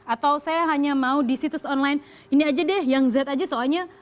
atau saya hanya mau di situs online ini aja deh yang z aja soalnya